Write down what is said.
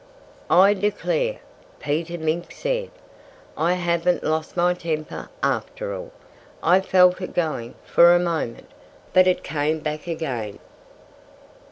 "I declare," Peter Mink said, "I haven't lost my temper, after all. I felt it going for a moment. But it came back again."